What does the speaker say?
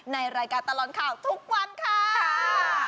ในรายการตลอดข่าวทุกวันค่ะ